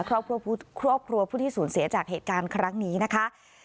ครอบครัวครอบครัวผู้ที่สูญเสียจากเหตุการณ์ครั้งนี้นะคะ